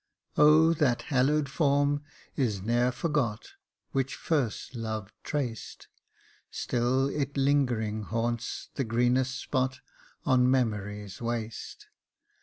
" O that hallowed form is ne'er forgot Which first love trac'd. Still it lingering haunts the greenest spot On memory's waste.